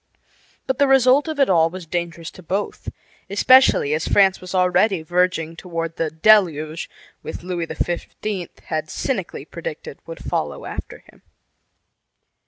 But the result of it all was dangerous to both, especially as France was already verging toward the deluge which Louis XV. had cynically predicted would follow after him.